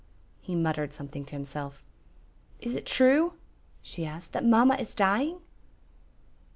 He muttered something to himself. "Is it true?" she asked, "that mamma is dying?"